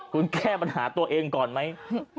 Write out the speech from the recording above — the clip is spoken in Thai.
คุณแก้ปัญหาตัวเองก่อนไหม